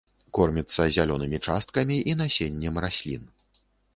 Корміцца зялёнымі часткамі і насеннем раслін.